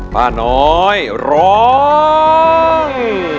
ป้าน้อยร้อง